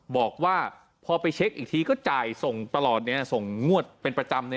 บอกว่าพอไปเช็คอีกทีก็จ่ายส่งตลอดส่งงวดเป็นประจำเลย